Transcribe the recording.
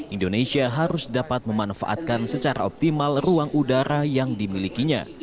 indonesia harus dapat memanfaatkan secara optimal ruang udara yang dimilikinya